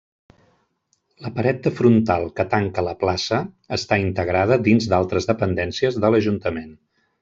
La paret de frontal que tanca la plaça, està integrada dins d'altres dependències de l'ajuntament.